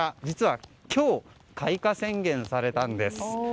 実は今日、開花宣言されたんです。